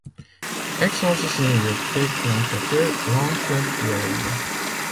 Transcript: Exorcisez le pré tentateur, l’antre, l’orme!